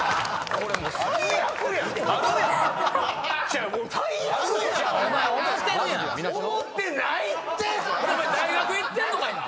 ほんでお前大学行ってんのかいな！